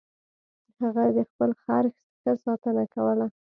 هغه د خپل خر ښه ساتنه کوله.